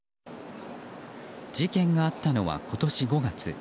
事件があったのは今年５月。